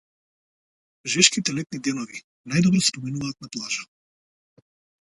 Жешките летни денови најдобро се поминуваат на плажа.